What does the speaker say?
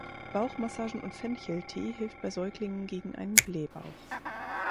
Bauchmassagen und Fencheltee hilft bei Säuglingen gegen einen Blähbauch.